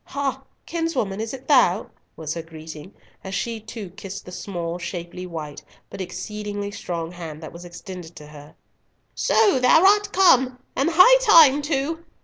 "Ha, kinswoman, is it thou!" was her greeting, as she, too, kissed the small, shapely, white, but exceedingly strong hand that was extended to her; "So thou art come, and high time too.